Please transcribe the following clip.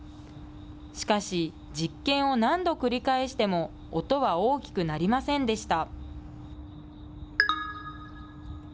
しかし実験を何度繰り返しても、音は大きくなりませんでした。